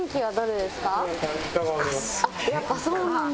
やっぱそうなんだ。